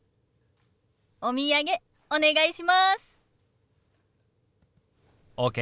お土産お願いします。ＯＫ。